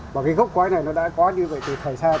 cái gốc cói này nó đã có như vậy từ khởi xa